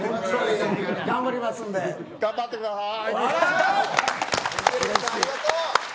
頑張ってください。